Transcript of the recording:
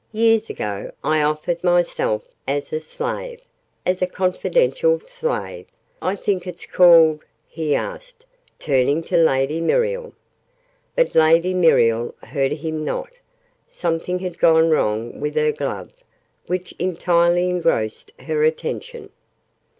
Years ago, I offered myself as a Slave as a 'Confidential Slave,' I think it's called?" he asked, turning to Lady Muriel. But Lady Muriel heard him not: something had gone wrong with her glove, which entirely engrossed her attention.